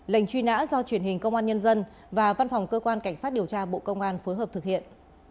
lệnh truy nã do truyền hình công an nhân dân và văn phòng cơ quan cảnh sát điều tra bộ công an phối hợp thực hiện